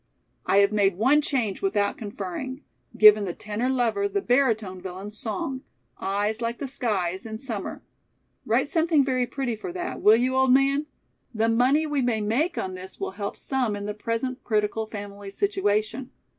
I have made one change without conferring; given the tenor lover the baritone villain's song: 'Eyes like the skies in summer.' Write something very pretty for that, will you, old man? The money we may make on this will help some in the present critical family situation.